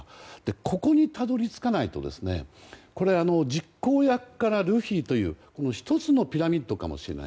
ここに、たどり着かないと実行役からルフィという１つのピラミッドかもしれない。